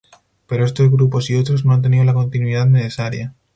Pero estos grupos y otros no han tenido la continuidad necesaria.